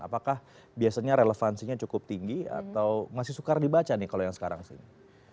apakah biasanya relevansinya cukup tinggi atau masih sukar dibaca nih kalau yang sekarang sih